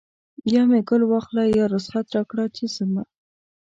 یا مې ګل واخله یا رخصت راکړه چې ځمه